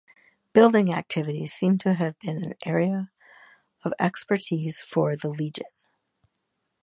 Building activities seem to have been an area of expertise for the legion.